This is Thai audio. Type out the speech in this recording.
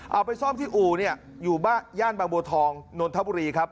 เอาไปซ่อมที่อู่เนี่ยอยู่บ้านย่านบางบัวทองนนทบุรีครับ